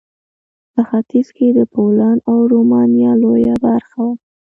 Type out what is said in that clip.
په ختیځ کې د پولنډ او رومانیا لویه برخه وه.